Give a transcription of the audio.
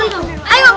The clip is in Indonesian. ini kita lihat